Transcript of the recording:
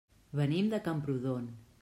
Venim de Camprodon.